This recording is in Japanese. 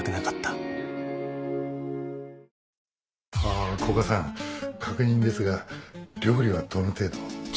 あ古賀さん確認ですが料理はどの程度？